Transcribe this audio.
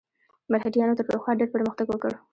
مرهټیانو تر پخوا ډېر پرمختګ وکړ.